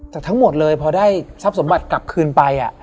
แต่ทั้งหมดเลยพอได้ทรัพย์สมบัติกลับคืนไป